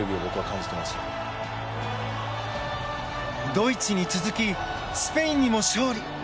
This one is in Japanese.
ドイツに続きスペインにも勝利。